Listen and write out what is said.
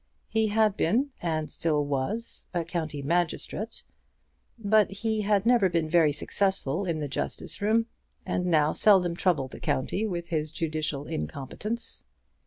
He had been, and still was, a county magistrate; but he had never been very successful in the justice room, and now seldom troubled the county with his judicial incompetence.